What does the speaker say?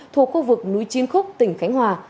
thuộc khu vực núi chinh khúc tỉnh khánh hòa